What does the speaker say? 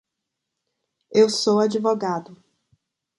Eu sou advogado.